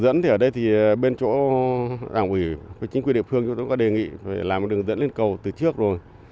ở đây thì bên chỗ đảng quỷ chính quyền địa phương chúng tôi có đề nghị làm một đường dẫn lên cầu từ trước rồi